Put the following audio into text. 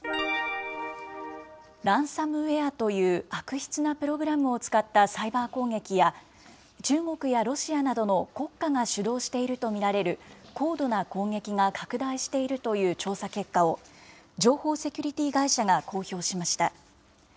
ランサムウエアという悪質なプログラムを使ったサイバー攻撃や、中国やロシアなどの国家が主導していると見られる、高度な攻撃が拡大しているという調査結果を、情報セキュリティー会社が公表しました。